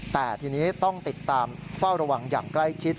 แต่ทีนี้ต้องติดตามเฝ้าระวังอย่างใกล้ชิด